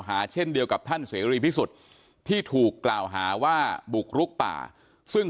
เช่นเดียวกับท่านเสรีพิสุทธิ์ที่ถูกกล่าวหาว่าบุกรุกป่าซึ่ง